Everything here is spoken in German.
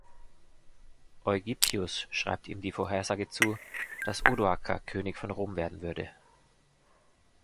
Eugippius schreibt ihm die Vorhersage zu, dass Odoacer König von Rom werden würde.